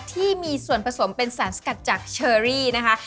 ที่มีส่วนผสมเป็นสารสกัดจากเชอรี่นะคะ